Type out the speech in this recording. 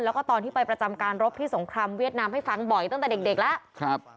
แล้วก็ตอนที่ไปประจำการรบที่สงครามเวียดนามให้ฟังบ่อยตั้งแต่เด็กแล้ว